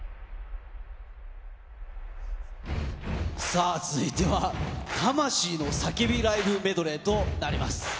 さあ、続いては魂の叫びライブメドレーとなります。